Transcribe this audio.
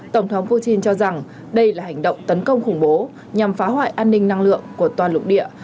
tổng thống putin cho rằng đây là hành động tấn công khủng bố nhằm phá hoại an ninh năng lượng của toàn lục địa